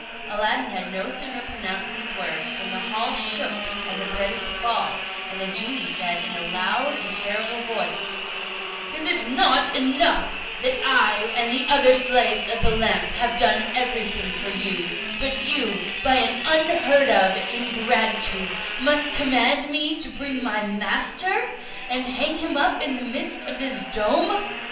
Aladdin had no sooner pronounced these words, than the hall shook as if ready to fall; and the genie said in a loud and terrible voice, "Is it not enough that I and the other slaves of the lamp have done everything for you, but you, by an unheard of ingratitude, must command me to bring my master, and hang him up in the midst of this dome?